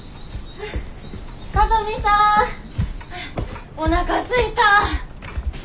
聡美さんおなかすいた！